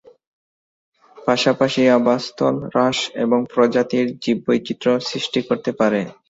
পাশাপাশি আবাসস্থল হ্রাস এবং প্রজাতির জীববৈচিত্র্য সৃষ্টি করতে পারে।